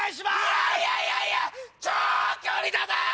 いやいやいやいや長距離だな！